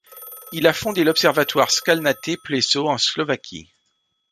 Il a fondé l'observatoire Skalnaté pleso en Slovaquie.